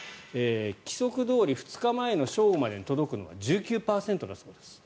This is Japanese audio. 規則どおり２日前の正午までに届くのが１９％だそうです。